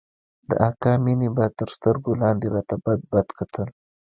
د اکا مينې به تر سترگو لاندې راته بدبد کتل.